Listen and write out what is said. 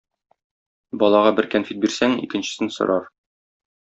Балага бер кәнфит бирсәң, икенчесен сорар.